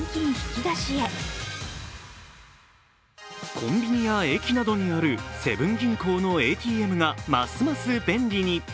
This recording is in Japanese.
コンビニや駅などにあるセブン銀行のＡＴＭがますます便利に。